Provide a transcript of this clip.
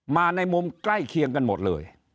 ในมุมใกล้เคียงกันหมดเลย